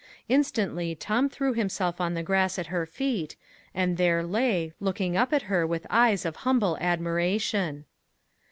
Instantly Tom threw himself on the grass at her feet, and there lay, looking up at her with eyes of humble admiration.